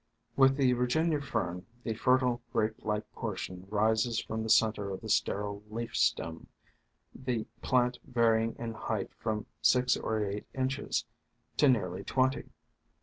With the Virginia Fern the fertile, grape like portion rises from the center of the sterile leaf stem, the plant varying in height from six or eight inches to nearly twenty.